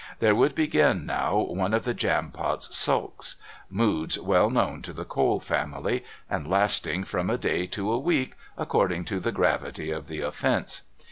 There would begin now one of the Jampot's sulks moods well known to the Cole family, and lasting from a day to a week, according to the gravity of the offence.